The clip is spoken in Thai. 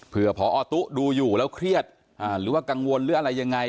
เพื่อพอตุ๊ดูอยู่แล้วเครียดหรือว่ากังวลหรืออะไรยังไง